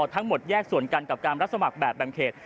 ทั้งหมดแยกส่วนกันกับการรับสมัครแบบแบ่งเขต